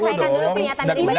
dan undang menggunakan muda